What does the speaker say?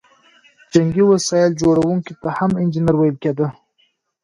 جنګي وسایل جوړوونکو ته هم انجینر ویل کیده.